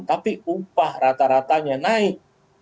tapi upah rata ratanya naik